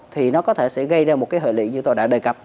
thì nó có thể sẽ gây ra một cái hợi lị như tôi đã đề cập